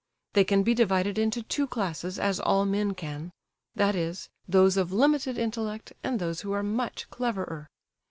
They can be divided into two classes as all men can—that is, those of limited intellect, and those who are much cleverer.